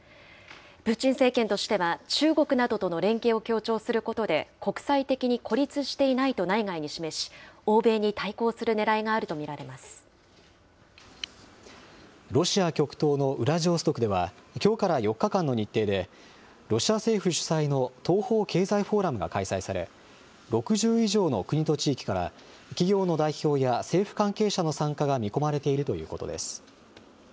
プーチン政権としては、中国などとの連携を強調することで、国際的に孤立していないと内外に示し、欧米に対抗するねらいがあると見ロシア極東のウラジオストクでは、きょうから４日間の日程で、ロシア政府主催の東方経済フォーラムが開催され、６０以上の国と地域から、企業の代表や政府関係者の参加が見込まれているということです。